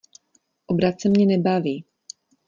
Obrace mě nebaví.